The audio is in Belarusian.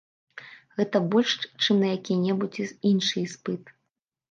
Гэта больш, чым на які-небудзь іншы іспыт.